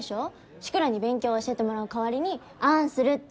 志倉に勉強教えてもらう代わりにあんするって。